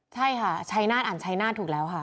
ใช่ค่ะชัยนาฏอ่านชัยนาฏถูกแล้วค่ะ